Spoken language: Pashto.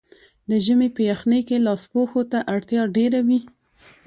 د ژمي په یخنۍ کې لاسپوښو ته اړتیا ډېره وي.